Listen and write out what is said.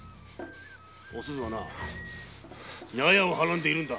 お鈴はなヤヤをはらんでいるんだ。